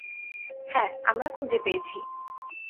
হ্যাঁ, আমরা খুঁজে পেয়েছি।